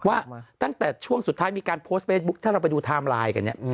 ว่าตั้งแต่ช่วงสุดท้ายมีการโพสต์เฟซบุ๊คถ้าเราไปดูไทม์ไลน์กันเนี่ย